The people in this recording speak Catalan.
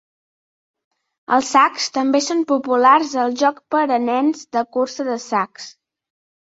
Els sacs també són populars al joc per a nens de cursa de sacs.